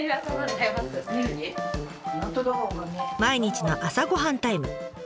毎日の朝ごはんタイム。